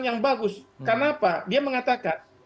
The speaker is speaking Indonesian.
yang bagus kenapa dia mengatakan